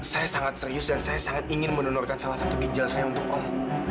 saya sangat serius dan saya sangat ingin mendonorkan salah satu ginjal saya untuk om